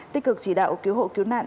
tích cực chỉ đạo cứu hộ cứu nạn